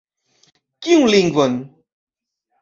Kiun lingvon?